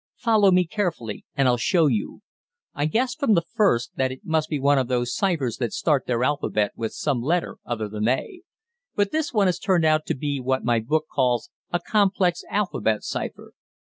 "Follow me carefully, and I'll show you. I guessed from the first that it must be one of those cyphers that start their alphabet with some letter other than A, but this one has turned out to be what my book calls a 'complex alphabet' cypher.